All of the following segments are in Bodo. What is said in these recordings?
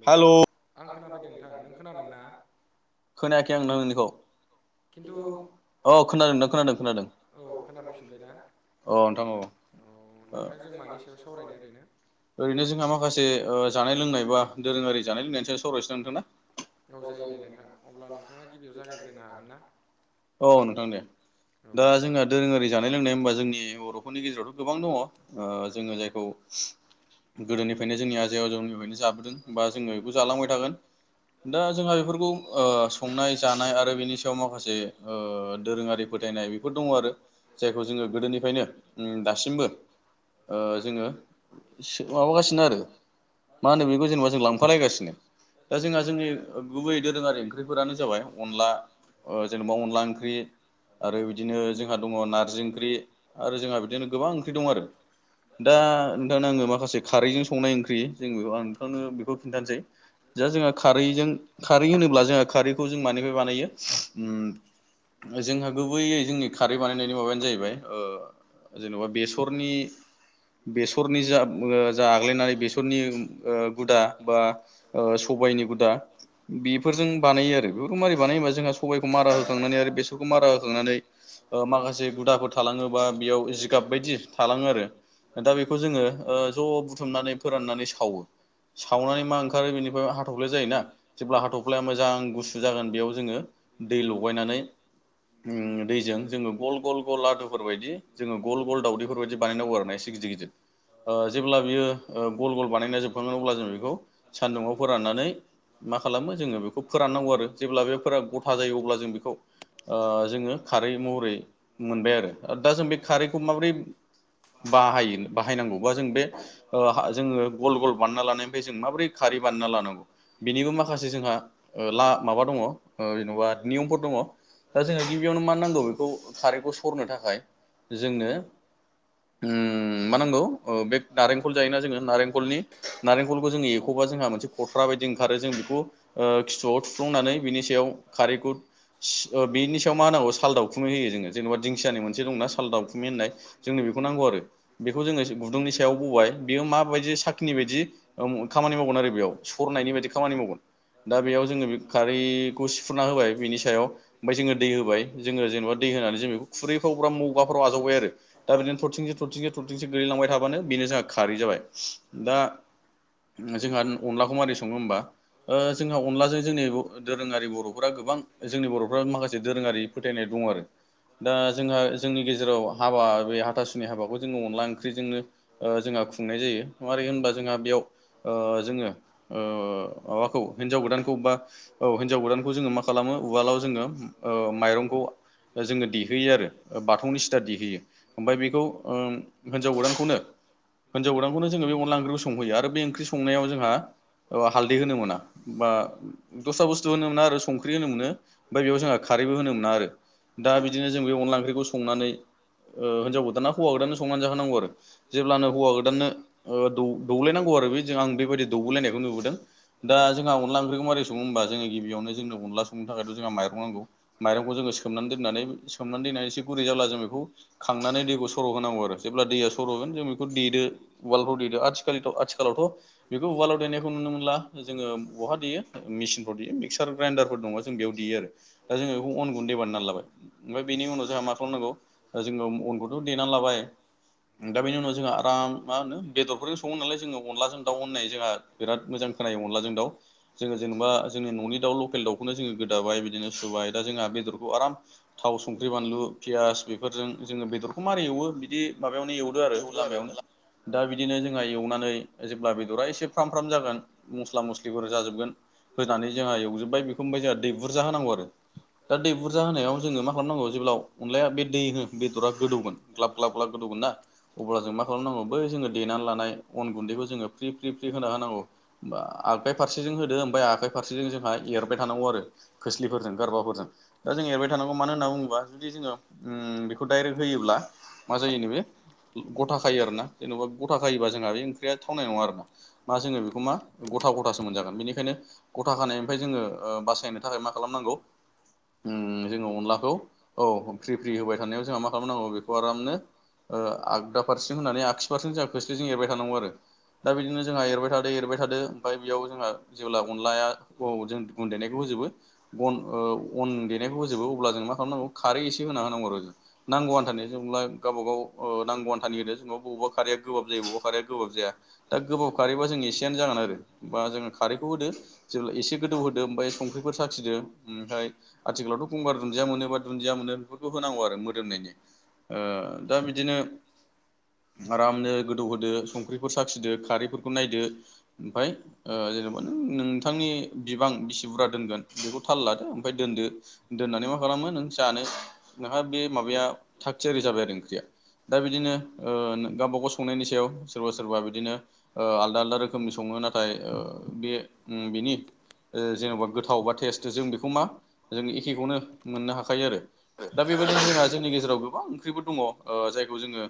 हेलौ हेल' आं खोनाफैदों नोंथां नों खोनादों ना? खोनायाखै आं नों [inaudible] नोंनिखौ। खिन्थु [inaudible] औ खोनादों नोंथां खोनादों खोनादों। औ खोनाफैफिनबायना अ नोंथां औ अ नोंथांजों मानि सायाव सावरायनो ओरैनो [inaudible] ओरैनो जोंहा माखासे ओ जानाय लोंनाय बा दोरोङारि जानाय लोंनायनि सायाव सावरायनोसैना नोंथां ना? औ जायो दे नोंथां अब्ला नोंथाङा गिबियाव जागायग्रोनो हागोन ना? अ नोंथां दे औ दा दे जोंहा दोरोङारि जानाय लोंनाय होनबा जोंनि बर'फोरनि गेजेरावथ' गोबां दङ। ओ जोङो जायखौ गोदोनिफायनो जोंनि आजै आजौमोननिफायनो जाबोदों। बा जोङो इखौ जालांबाय थागोन। दा जोंहा बेफोरखौ ओ संनाय जानाय आरो बेनि सायाव माखासे ओ दोरोङारिफोर फोथायनाय बेफोर दङ आरो जायखौ जोङो गोदोनिफायनो उम दासिमबो ओ जोङो सो माबागासिनो आरो मा होनो बेखौ जेनेबा जों लांफालायगासिनो दा जोंहा जोंनि गुबै दोरोङारि ओंख्रिफोरानो जाबाय अनला ओ जेनेबा अनला ओंख्रि आरो बिदिनो जोंहा दङ नार्जि ओंख्रि आरो जोंहा बिदिनो गोबां ओंख्रि दं आरो। दा नोंथांनो आङो माखासे खारैजों संनाय ओंख्रि जों बे आं [unintelligible] खिन्थानोसै जा जोंहा खारैजों खारै होनोब्ला जोंहा खारैखौ जों मानिफाय बानायो उम [inaudible] जोंहा गुबैयै जोंनि खारै बानायनायनि माबायानो जाहैबाय ओ जेन'बा बेसरनि बेसर नि जा ओ जा आग्लायनानै बेसरनि ओ गुदा बा ओ सबायाइनि गुदा बेफोरजों बानायो आरो बेफोरखौ मारै बानायबा जोंहा सबाइखौ मारा होखांनानै आरो बेसरखौ मारा होखांनानै ओ माखासे गुदाफोर थालाङो बा बेयाव जिगाब बायदि थालाङो आरो, दा बेखौ जोङो ओ ज' बुथुमनानै फोराननानै सावो। सावनानै मा ओंखारो बेनिफ्राय हाथ'फ्ला जायोना, जेब्ला हाथफ्लाया मोजां गुसु जागोन बेयाव जोङो दै लगायनानै उम दैजों जोङो गल गल गल लादुफोर बायदि जोङो गल गल दाउदैफोर बायदि बानायनांगौ आरो ना इसे गिदिर गिदिर ओ जेब्ला बियो ओ गल गल बानायना जोबखाोन अब्ला जों बेखौ सान्दुंङआव फोराननानै मा खालामो जोङो बेखौ फोराननांगौ आरो जेब्ला बे फोर गथा जायो अब्ला जों बेखौ ओ जोङो खारै महरै मोनबाय आरो। दा जों बे खारैखौ माबोरै बाहायो बाहायनांगौ बा जों बे जोङो ओ गल गल बानायना लानाय बे जों माबोरै खारै बानायना लानांगौ बेनिबो माखासे जोंहा माबा दङ ओ जेन'बा नियमफोर दङ दा जोंहा गिबियावनो मा नांगौ बेखौ खारैखौ सरनो थाखाय जोंनो उम मा नांगौ ओ बे नारेंखल जायोना जोङो नारेंखलनि लखौ जों एरखबा जोंहा मोनसे फथ्रा बायदि ओखारो जों ओ बेखौ‌ खिथुआवआव थुफ्लांनानै बिनि सायाव खार रैखौ बेनि सायाव मा होनांगौ साल दाउखुमि होयो जोङो जेनेबा दिंखियानि मोनसे दंनाा साल दावखुमि होननाय जोंनि बेखौ नांगौ आरो, बेखौ जोङो गुदुंनि सायाव बबाय बेयो माबायदि साखिनि बायदि उम खामानि मावगोन आरो बेयाव सरनायनि बायदि खामानि मावगोन। दा बेयाव जोङो‌ बे खारैखौ सिफुना होबाय बिनि सायाव ओमफ्राय जोङो दै होबाय जोङो जेनेबा दै होनानै जों बेखौ खुरैफ्राव बा मगाफ्राव आजावबाय आरो दा बिदिनो थरथिंसे थरथिंसे थरथिंसे गोलैलांबाय थाबाय थाबानो बेनो जोंहा खारै जाबाय। दा जोंहा अनलाखौ मारै सङो होमबा ओ जोंहा अनलाजों जोंनि दोरोङारि बर'फोरा गोबां जोंनि बर'फ्रा माखासे दोरोङारि फोथायनाय दं। दं आरो दा जोंहा जोंनि गेजेराव हाबा बे हाथासुनि हाबाखौ जोङो अनला ओंख्रिजोंनो ओ जोंहा खुंनाय जायो, मारै होनबा जोंहा बेयाव ओ जोङो ओ माबाखौ हिन्जाव गोदानखौ बा औ हिन्जाव गोदानखौ जोङो मा खाला खालामो उवालाव जोङो ओ माइरंखौ जोङो देहोयो आरो बाथौनि सिथा देहोयो ओमफ्राय बेखौ ओ हिन्जाव गोदानखौनो हिनजाव गोदानखौनो जोङो बे अनला ओंख्रिखौ संहैयो आरो बे ओंख्रि संनायाव जोंहा औ हालदै होनो मोना बा दस्रा बुस्थु होनो मोना आरो संख्रि होनो मोनो ओमफ्राय बेयाव जोंहा खार खारैबो होनो मोना आरो। दा बिदिनो जों बे अनला ओंख्रिखौ संनानै ओ हिनजाव गोदान ना हौ गोदाननो सं संनानै जाहोनांगौ आरो जब्लानो हौवा गोदाननोओ दौ दौलायनांगौ आरो बे जे आं बेबायदि दौलायनायखौ नुबोदों। जोंहा अला ओंख्रिखौ मारै सङो होमब्ला जों गिबियावनो जोंनो अनला संन जोंहा माइरं नांगौ माइरंखौ जोङो सोमनानै दोननानै सोमनानै दोननाया एसे गुरै जायोब्ला जों बेखौ गां दोनानै दैखौ सर' होनांगौ आरो जेब्ला दैया सर'गोन जों बेखौ देदो वालफ्राव देदो आथि आथिखालावथ' बेखौ उवालाव देनायखौ नुनो मोनला जोङो बहा देयो मेसिनफोराव देनो मिक्सार ग्राइडारफोर दङ जों बेयाव देयो आरो। दा जोङो बेखौ अन गु दे बाननानै लाबाय ओमफ्राय बेनि उनाव जोंहा मा खालामनांगौ जोङो अनखौ देनानै लाबाय दा बेनि उनाव जोंहा आराम मा होनो बेदरफोरजों संङोनालाय जोंङो अनलाजों होननाय जोंहा बिराद मोजां खोनायो अनलाजों दाउ जोङ जेनेबा जोंनि ननि दा लकेल दावखौनो जोङो गोदा बाय बिदिनो सुबाय दा जोंहा बेदरखौ आराम थाव संख्रि बानलु पियास बेफोरजों जोङो बेदर खौ मारै एवो बिदि माबायावनो एवदो आरो लामायावनो दा बिदिनो जोंहा एवनानै जेब्ला बेदरा एसे फ्राम फ्राम जागोन मस्ला मस्लिफोर जाजोबगोन होनानै जोंहा एवजोब्बाय बेखौ ओमफाय जोंहा दै बुरजा होनांगौ आरो दा दै बुरजा होनायाव जोङो मा खालामनांगौ जेब्ला अनलाया बे दै होन बेदरा गोदौमोन ग्लाब ग्लाब ग्लाब गोदौ होवोना अब्ला जों मा खालामनांगौ बै जोङो देनानै लानाय अन गुन्दैखौ जोङो फ्रि फ्रि फ्रि होना होनांगौ होमबा आखाइ फारसेजों होदो ओमफ्राय आखाइ फारसेजों जोंहा एरबाय थानांगौ आरो खोस्लिफोरजों गारबाफोरजों दा जों एरबाय थानांगौ मानो होनना बुङोबा जुदि जोङो ओ बेखौ डाइरेक्ट होयो ब्ला मा जायो नो बे गथा खायो आरोना जेन'बा गथा खायोबा जोंहा बे ओंख्रिया थावनाय नङा आरोना मा जोङो बेखौ मा गथा गथासो मोनजागोन बेनिखायनो गथा खानायनिफाय जोङो ओ बासायनो थाखाय मा खालामनांगौ ओ जोङो अनलाखौ औ फ्रि फ्रि होबाय थानायाव जोंहा मा खालामनांगौ बेखौ आरामनो ओ आगदा फारसेजों होननानै आगसि फारसे जोंहा खोस्लिजों एरबाय थानांगौ आरो दा बिदिनो जोंहा एरबाय थादो एरबाय थादो ओमफाय बेयाव जोंहा जेब्ला अनलाया औ जों गुन अन देनायखौ होजोब बो गन ओ अन देनायखौ होजोबो अब्ला जों मा खालामनांगौ खारै एसे होना होनांगौ आरो नांगौ आनथानि जेनेब्ला गावबा गाव नांगौ आनथानि होदो जेनेबा बबेबा खारैया गोबाब जायो बबेबा खारैया गोबाब जाया दा गोबाब खारैबा जों एसेयानो जागोन आरो बा जोङो खारैखौ होदो जों एसे गोदौ होदो ओमफ्राय संख्रि फोर साखिदो ओमफ्राय आथिखालावथ' गंगार दुन्दिया मोनो बा दुन्दिया मोनो बेफोरखौ होनांगौ आरो मोदोमनायनि ओ दा बिदिनो आरामनो गोदौ होदो संख्रि साखिदो खारैफोरखौ नायदो ओमफ्राय ओ जेनेबा नों नोंथांनि बिबां बि सि बुरजा दोनगोन बेखौ थाला लादो ओमफाय दोन्दो दोन्नानै मा खालामो नों जानो नोंहा बे मा बाया थाख थियारि जाबाय आरो ओंख्रिया दा बिदिनो ओ गावबा गाव संनायनि सायाव सोरबा सोर बिदिनो आलदा आलदा रोखोमनि सङो नाथाय बे बिनि ओ जेन'बा गोथाव बा टेस्ट जों बेखौ मा जों एखेखौनो मोननो हाखायो आरो दा बेबायदिनो जोंहा जोंनि गेजेराव गोबां ओंख्रिबो दङ ओ जायखौ जोङो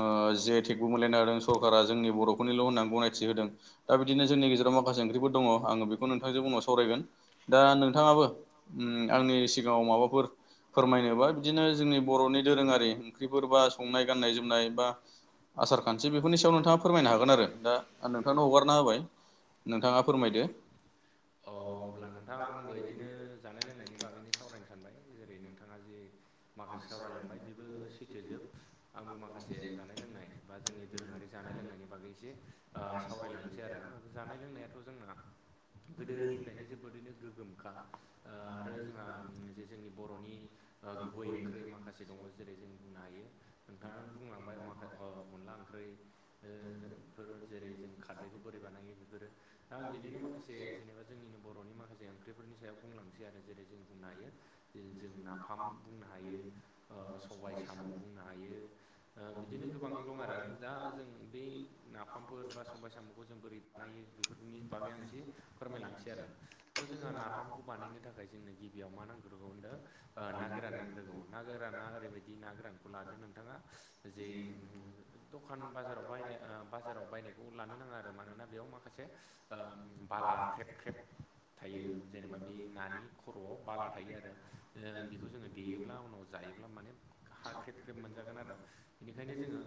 ओ जे थेकगमोनल आरो सकारा जोंनि बर'फोरनिल' होनना गनायथि होदों दा बिदिनो जोंनि गेजेराव माखासे ओंख्रिफोर दङ आङो बेखौ नोंथांजों उनाव सावरायगोन दा नोंथाङाबो उ आंनि सिगाङाव माबाफोर फोरमायनोबा बिदिनो जोंनि बर'नि दोरोङारि ओंख्रिफोर बा संनाय गाननाय जोमनाय बा आसारखान्थि बे नोंथाङा फोरमायनो हागोन आरो दा नोंथांनो हगारना होबाय नोंथाङा फोरमायदो अ लद ग बुंनायनि बागैनो सावरायनो सानबाय जेरै नोंथाङा जे माखासे सावरायलांबाय बेबो सैथो जोब आंबो माखासे जानाय लोंनाय बा जोंनि दोरोङारि जानाय लोंनायनि बागै एसे आ सावरायलांनोसै आरो जानाय लोंनायाथ' जोंना गोदोनिफ्रायनो जोबोरैनो गोगोमखा आरो जोंहा जे जोंनि बर'नि आ गुबै ओंख्रि माखासे दङ जेरै जों बुंनो हायो नोंथाङानो बुंलांबाय माखो ओ अनला ओंख्रि ओ बेफोर जेरै जों खारदैखौ बोरै बानायो बेफोरो दा आं बिनिनो माखासे जेनेबा जोंनिनो बर'नि माखासे ओंख्रिफोरनि सायाव बुंलांसै आरो जेरै जों बुंनो हायो जों नाफाम बुंनो हायो अ सबाय साम' बुंनो हायो ओ बिदिनो गोबां दं आरो दा ओइ नाफामफोर बा सबाय साम'खौ जों बोरै बानायो बेफोरनि बागै आं एसे फोरमायलांनोसै आरो थ जों जोंहा नाफामखौ बानायनो थाखाय जोंनो गिबियाव मा नांग्रोगौ आ ना गोरान नांग्रोगौ ना गोराना ओरैबायदि ना गोरानखौ लादो नोंथाङा जे उम दखान बाजा ओ बाजाराव बायनायखौ लानो नाङा आरो मानोना बेयाव माखासे ओम बाला ख्रेब ख्रेब ख्रेब थायो जेनेबा बे नानि खर'आव बाला थायो आरो। ओ बेखौ जोङो देयोब्ला उनाव जायोब्ला माने हा ख्रेब ख्रेब मोनजागोन आरो बेनिखायनो जोङो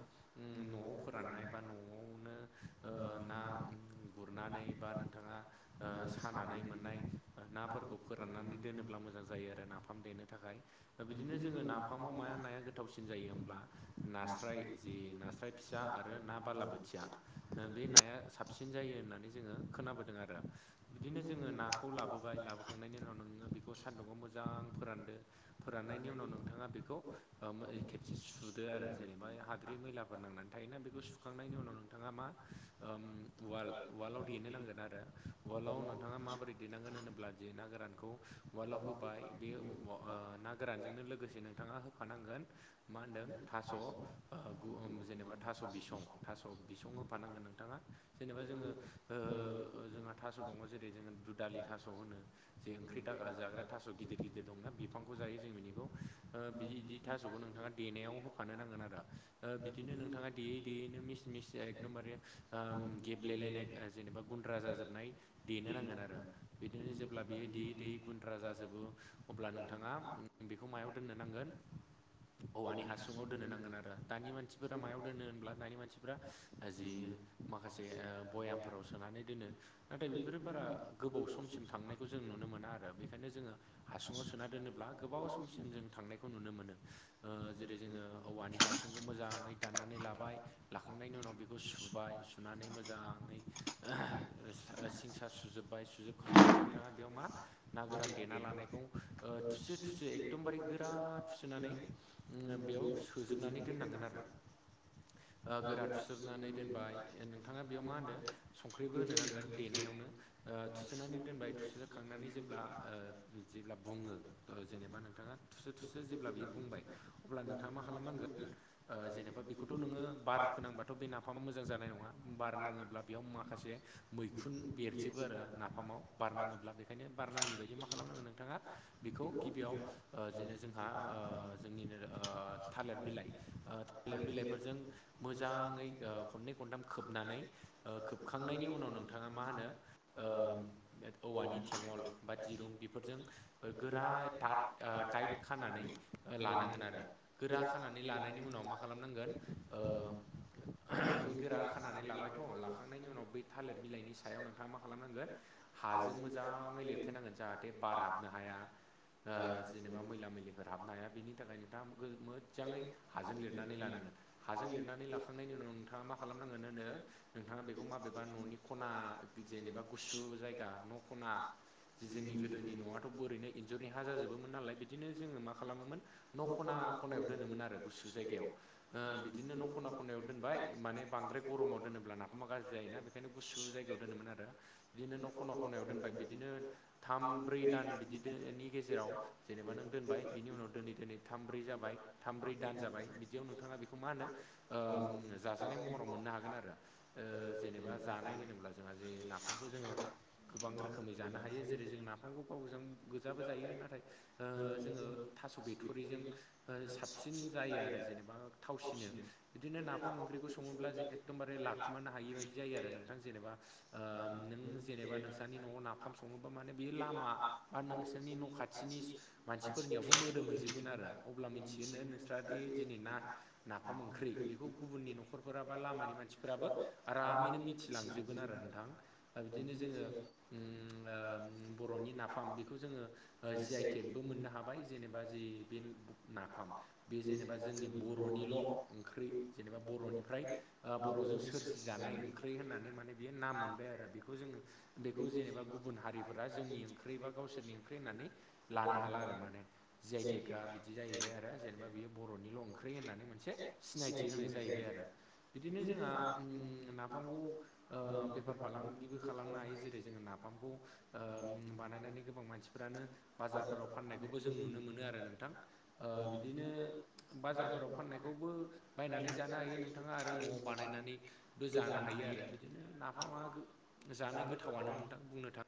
उम न'आव राननाय बा न'आवनो ओ ना गुरनानै बा नोंथाङा ओ सानानै मोननाय नाफोरखौ फोराननानै दोनोब्ला मोजां जायो आरो नाफाम देनो थाखाय। दा बिदिनो जोङो नाफामाव मा नाया गोथावसिन जायो होमब्ला नास्राय जि नास्राय फि खोथिया आरो ना बालाबोथिया बे नाया साबसिन जायो होननानै जोङो खोनाबोदों आरो। बिदिनो जोङो नाखौ लाबोबाय लाबोखांनायनि उनाव नोङो बेखौ सान्दुंङआव मोजां फोरानदो फोरान नायनि उनाव नोंथाङा बेखौ ओ खेबसे सुदो आरो जेनेबा हाद्रि मैलाफोर नांनानै थायोना बेखौ सुखांनायनि उनाव नोंथाङा मा ओम उवाल उवालआव देनो नांगोन आरो उवालआव नोंथाङा माबोरैे देनांगोन होनोब्ला जे ना गोरान खौ उवालाव होबाय बे व ओ ना गोरानजोंनो लोगोसे नोंथाङा होफानांगोन मा होनदों थास' ओ गुम जेनेबा स' बिसं थास' बिसं होफानांगोन नोंथाङा जेनेबा जोङो ओ जोंहा थास' दं जेरै जोङो दुदालि थास' होनो जे ओंख्रि दा जाग्रा थास' गिदिर गिदिर दंना बिफांखौ जायो जों बिनिखौ ओ बिदि थास' खौ नोंथाङा देनायाव होफानो नांगोन आरो ओ बिदिनो नों थाङा देयै देयैनो मिस मिस एकदमबारे ओम गेब्लेलायनाय ओ जेनेबा गुन्द्रा जाजोबनाय देनो नांगोन आरो बिदिनो जेब्ला बियो देयै दैयै गुन्द्रा जाजोबो अब्ला नोंथाङा उम बेखौ मायाव दोननो नांगोन औवानि हासुङाव दोननो नांगोन आरो दानि मानसिफोर रा मायाव दोनो होनब्ला दानि मानसिफ्रा जि माखासे बयामफोराव सोनानै दोनो। नाथाय बेफोरो बारा गोबाव समसिम थांनायखौ जों नुनो मोना आरो बेखायनो जोङो हासुङाव सोना दोनोब्ला गोबाव समसिम जों थांनायखौ नुनो मोनो। ओ जेरै जोङो औवानि हासुंखौ मोजाङै दाननानै लाबाय। लाखांनायनि उनाव बेखौ सुबाय सुनानै मोजाङै सा सिं सा सुजोबबाय सुजोबखांनानै नोंथाङा बेयाव मा ना गोरान देना लानायखौ ओ थु सो थुसो एखदमबारे गोरा थुसोनानै ओम बेयाव सोजोबनानै दोननांगोन आरो। [inaudible] ओ गोरा थुसोबनानै दोनबाय नोंथाङा बेयाव मा होनदो संख्रिबो होनो नांगोन देनायावनो। ओ थुसोनानै दोनबाय थुसोखांनानै जेब्ला ओ जेब्ला बुङो थ' जेनेबा नोंथाङा थुसो थुसो जेब्ला बेयो बुंबाय अब्ला नोंथाङा मा खालामनांगोन ओ जेनेबा बि खौथ' नोङो बार फोनांबाथ' बे नाफामा मोजां जानाय नङा बार नाङोब्ला बेयाव माखासे मैखुन बेरजोबो आरो नाफामाव बारनाङोब्ला बेखायनो बारनाङि बायदि मा खालामनांगोन नोंथाङा बेखौ गिबि याव ओ जेरै जोंहा ओ जोंनिनो ओ थालेर बिलाइ ओ थालेर बिलाइ फोरजों मोजाङै ओ खननै खनथाम खोबनानै ओ खोबखांनायनि उनाव नोंथाङा मा होनो ओ औवानि थेङल बा दिरुं बेफोरजों गोरा टा ट ओ टाइट खानानै लानांगोन आरो गोरा खानानै लानायनि उनाव मा खालामनांगोन ओ बे गोरा खानानै लाबायथ' लाखांनायनि उनाव बै थालिर बिलाइनि सायाव नोंथाङा मा खालामनांगोन हाजों मोजाङै लिरथे नांगोन जाहाथे बार हाबनो हाया। ओ जेनेबा मैला मैलिफोर हाबनो हाया बिनि थाखाय नोंथाङा गो मोजाङै हाजों लिरनानै लानांगोन। हाजों लिरनानै लाखांनायनि उनाव नोंथाङा मा खालामनांगोन होनो नोंथाङा बेखौ माबेबा न'नि खना जेनेबा गुसु जायगा न' ख'ना जोंनि गोदोनि न'आथ' बोरैनो इन्जुरनि हा जाजोबोमोन नालाय बिदिनो जोङो मा खालामोमोन न' खना खनायाव दोनोमोन आरो गुसु जायगायाव। ओ बिदिनो न' खना खनायाव दोनबाय माने बांद्राय गरमाव दोनोब्ला नाफामा गाज्रि जायोना बेखायनो गुसु जायगायाव दोनोमोन आरो बिदिनो न' ख'ना खनायाव दोनबाय बिदिनो थाम ब्रै दान बिदि दो नि गेजे राव जेनेबा नों दोनबाय बिनि उनाव दोनै दोनै थाम ब्रै जाबाय थाम ब्रै दान जाबाय बिदियाव नोंथाङा बि खौ मा होनो ओ जाजानाय महराव मोननो हागोन आरो ओ जेनेबा जानाय होनोब्ला जोंहा जे नाफामखौ जोङो गोबां रोखोमै जानो हायो जेरै जों नाफामखौ गावजों गोजाबो जायो ना थाय ओ जोङो थास' बिथ'रिजों ओ साबसिन जायो आरो जेनेबा थावसिनो बिदिनो नाफाम ओंख्रिखौ सङोब्ला जे एखदमबारे लाखुमानो हायि बायदि जायो आरो नोंथां जेनेबा ओ नों जेनेबा नोंसानि न'आव नाफाम सङोबा माने बियो लामा बा नोंसोरनि न' खा थिनि मानसिफोरनियावबो मोदोमहैजोबगोन आरो अब्ला मिथियोनो नोंस्रा दि दिनै ना फाम ओंख्रि बेखौ गुबुननि न'खरफोरा बा लामानि मानसिफोराबो आरामैनो मिथिलांजोबगोन आरो नोंथां। ओ बिदिनो जोङो ओम ओ बर'नि नाफाम बेखौ जोङो ओ जि आइ टेग बो मोननो हाबाय जेनेबा जि बे नाफाम बे जेनेबा जोंनि ब र'निल' ओंख्रै जेनेबा बर'निफ्राय बर'जों सोरजि जानाय ओंख्रि होननानै माने बेयो नाम मोनबाय आरो बेखौ जोङो बेखौ जेनेबा गुबुन हारिफोरा जोंनि ओंख्रि बा गावसोरनि ओंख्रि होननानै लानो हाला आरो माने दा बिदि जायैबाय आरो जेनेबा बेयो बर'नि ल' होननानै मोनसे सिनायथि होनाय जाहैबाय आरो बिदिनो जोंहा ओम नाफामखौ ओ बेफार फालांगिबो खालामनो हायो जेरै जोङो नाफामखौ ओम बानायनानै गोबां मानसिफोरानो बाजारफोराव फाननायखौबो जों नुनो मोनो आरो नोंथां ओ बिदिनो बाजारफोराव फाननायखौबो बायनानै जानो हायो नोंथाङा आरो न'आव बानायनानै बो जानो हायो आरो बिदिनो नाफामा गो जानो गोथावनो नोंथां बुंनो थाङो